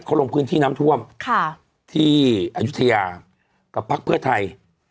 เขาลงพื้นที่น้ำท่วมที่อายุทยากับพักเพื่อไทย